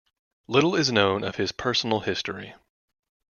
Little is known of his personal history.